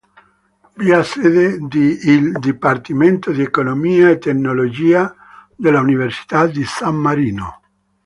Vi ha sede il Dipartimento di Economia e Tecnologia dell'Università di San Marino.